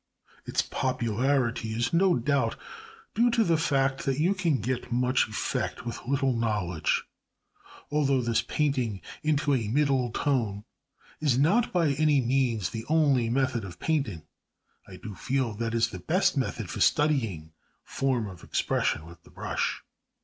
Its popularity is no doubt due to the fact that you can get much effect with little knowledge. Although this painting into a middle tone is not by any means the only method of painting, I do feel that it is the best method for studying form expression with the brush.